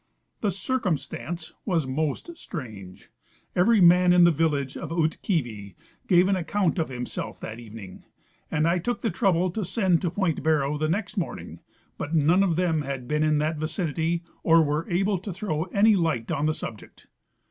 The circumstance was most strange. Every man in the vil lage of Ootkeavie gave an account of himself that evening, and I took the trouble to send to point Barrow the next morning, but none of them had been in that vicinity or were able to throw an}^ light on the subject.